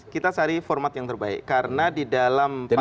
kita cari format yang terbaik karena di dalam paket kebiri itu